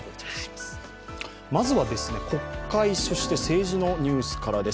まずは国会、そして政治のニュースからです。